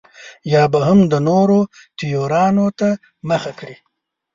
یا به هم د نورو تیوریانو ته مخه کړي.